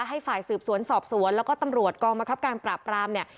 ให้ฝ่ายสืบสวนสอบสวนแล้วก็ตำรวจกองบังคับการปราบปรามเนี่ย